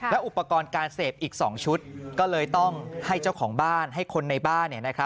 และอุปกรณ์การเสพอีก๒ชุดก็เลยต้องให้เจ้าของบ้านให้คนในบ้าน